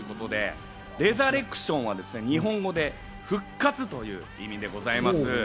レザレクションは日本語で復活という意味でございます。